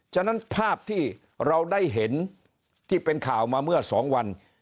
ฉะนั้นภาพที่เราได้เห็นที่เป็นข่าวมาเมื่อ๒วัน